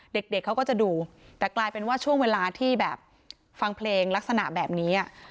เด็กเขาก็จะดูแต่กลายเป็นว่าช่วงเวลาที่แบบฟังเพลงลักษณะแบบนี้